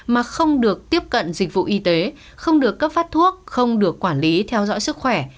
mà không được tiếp cận dịch vụ y tế không được cấp phát thuốc không được quản lý theo dõi sức khỏe